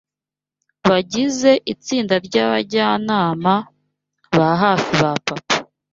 bagize itsinda ry’abajyanama ba hafi ba Papa